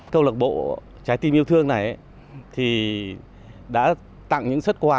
câu lạc bộ trái tim yêu thương này thì đã tặng những xuất quà